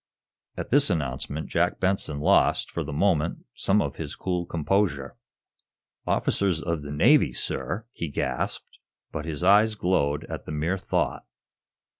At this announcement Jack Benson lost, for the moment, some of his cool composure. "Officers of the Navy, sir!" he gasped, but his eyes glowed at the mere thought.